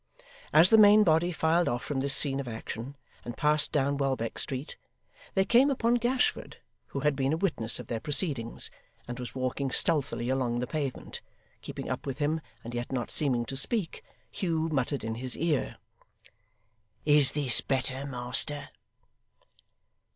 As the main body filed off from this scene of action, and passed down Welbeck Street, they came upon Gashford, who had been a witness of their proceedings, and was walking stealthily along the pavement. Keeping up with him, and yet not seeming to speak, Hugh muttered in his ear: 'Is this better, master?